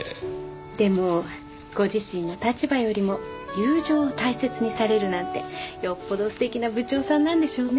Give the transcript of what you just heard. でもご自身の立場よりも友情を大切にされるなんてよっぽど素敵な部長さんなんでしょうね。